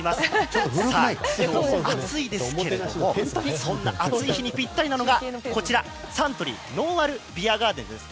今日も暑いですけどもそんな暑い日にぴったりなのが「サントリーのんあるビアガーデン」です。